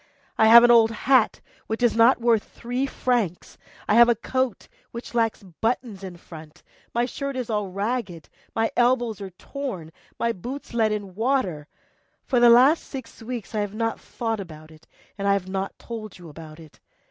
I have an old hat which is not worth three francs, I have a coat which lacks buttons in front, my shirt is all ragged, my elbows are torn, my boots let in the water; for the last six weeks I have not thought about it, and I have not told you about it.